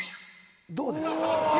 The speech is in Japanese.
どうです？